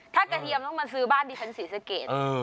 ถ้ากระเทียมต้องมาซื้อบ้านดิฉันศรีสะเกด